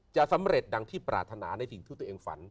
จะสำเร็จดังที่ปรารถนาในสิ่งที่ตัวเองฝัน